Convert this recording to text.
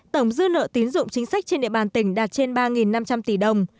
tổng dư nợ tín dụng chính sách trên địa bàn tỉnh đạt trên ba năm trăm linh tỷ đồng